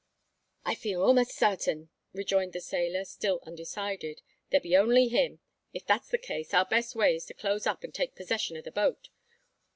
"I feel a'most sartin," rejoined the sailor, still undecided, "there be only him. If that's the case, our best way is to close up, and take possession o' the boat.